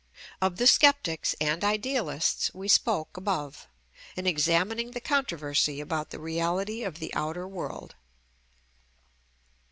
Of the Sceptics and Idealists we spoke above, in examining the controversy about the reality of the outer world.